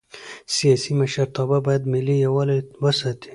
سیاسي مشرتابه باید ملي یووالی وساتي